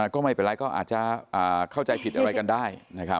ก็ไม่เป็นไรก็อาจจะเข้าใจผิดอะไรกันได้